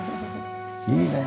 いいねえ。